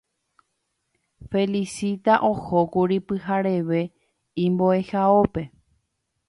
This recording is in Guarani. Felicita ohókuri pyhareve imbo'ehaópe